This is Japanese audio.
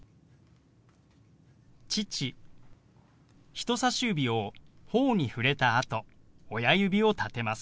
人さし指をほおに触れたあと親指を立てます。